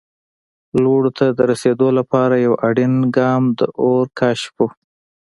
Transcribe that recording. لوړو ته د رسېدو لپاره یو اړین ګام د اور کشف و.